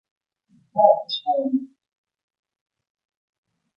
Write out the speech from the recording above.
Al contrario que Lucy, Nyu es inocente, dulce e inofensiva, sin saber siquiera hablar.